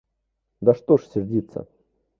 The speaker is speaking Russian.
Да что ж сердиться!